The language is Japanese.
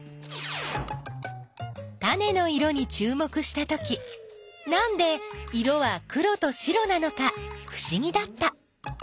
タネの色にちゅう目したときなんで色は黒と白なのかふしぎだった。